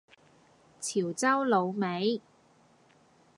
潮州滷味